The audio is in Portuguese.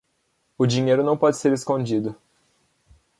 O dinheiro não pode ser escondido.